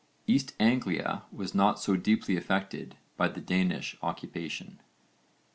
East Anglia was not so deeply affected by the Danish occupation.